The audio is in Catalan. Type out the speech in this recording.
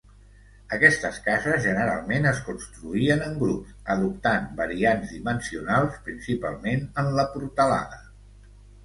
Aquestes cases generalment es construïen en grups, adoptant variants dimensionals, principalment en la portalada.